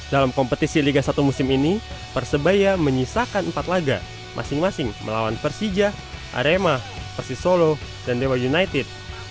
dalam kompetisi liga satu musim ini persebaya menyisakan empat laga masing masing melawan persija arema persisolo dan dewa united